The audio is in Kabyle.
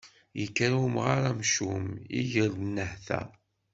Yekker umɣar amcum, iger-d nnehta.